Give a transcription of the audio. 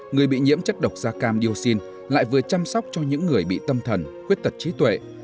người bị nhiễm chất độc da cam dioxin lại vừa chăm sóc cho những người bị tâm thần khuyết tật trí tuệ